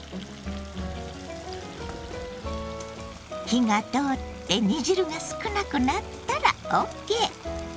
火が通って煮汁が少なくなったらＯＫ。